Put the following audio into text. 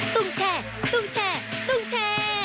ตุ้งแช่ตุ้งแช่ตุ้งแช่